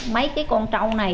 mấy cái con trâu này